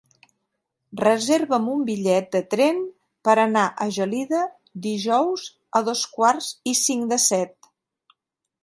Reserva'm un bitllet de tren per anar a Gelida dijous a dos quarts i cinc de set.